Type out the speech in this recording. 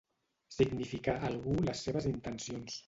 Significar a algú les seves intencions.